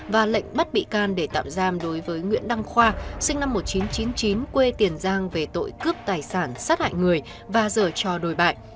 và lệnh bắt bị can để tạm giam đối với nguyễn đăng khoa sinh năm một nghìn chín trăm chín mươi chín quê tiền giang về tội cướp tài sản sát hại người và dở cho đồi bại